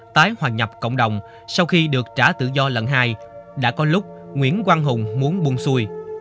tái hòa nhập cộng đồng sau khi được trả tự do lần hai đã có lúc nguyễn quang hùng muốn buông xuôi